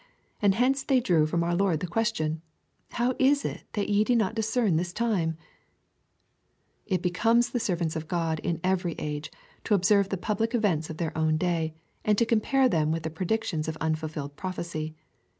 And hence they drew from our Lord the question, —" How is it that ye do not discern this time ?" It becomes the servants of God, in every age, to observe the public events of their own day, and to compare them with the predictions of unfulfilled prophecy.